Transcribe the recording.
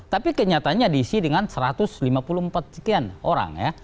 tapi kenyataannya diisi dengan satu ratus lima puluh empat sekian orang ya